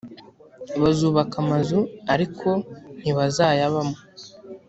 bazubaka amazu ariko ntibazayabamo